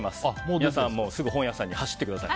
皆さんすぐ本屋さんに走ってください。